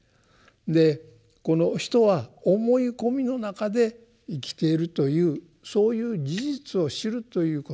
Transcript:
でこの人は思い込みの中で生きているというそういう事実を知るということ。